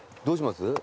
どうします？